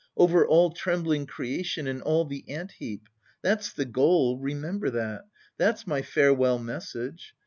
Over all trembling creation and all the ant heap!... That's the goal, remember that! That's my farewell message.